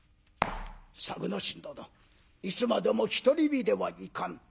「作之進殿いつまでも独り身ではいかん。